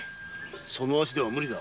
その足では無理だ。